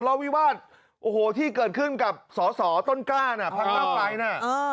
รอวิวาสที่เกิดขึ้นกับสอสอต้นกล้านพักต้องไกลนะ